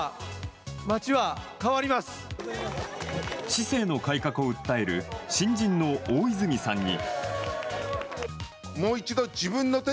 市政の改革を訴える新人の大泉さんに。